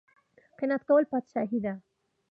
قناعت کول پادشاهي ده